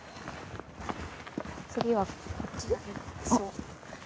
次はこっち？